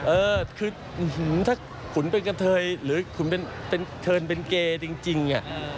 เออคือถ้าขุนเป็นกะเทยหรือขุนเป็นเทิร์นเป็นเกย์จริง